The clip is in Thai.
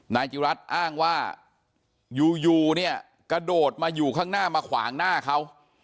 นายจิรัตน์อ้างว่าอยู่เนี่ยกระโดดมาอยู่ข้างหน้ามาขวางหน้าเขา